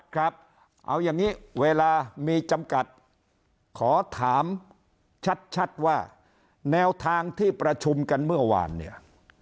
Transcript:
ครับเอาอย่างนี้เวลามีจำกัดขอถามชัดว่าแนวทางที่ประชุมกันเมื่อวานเนี่ย